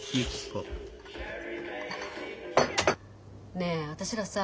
ねえ私らさ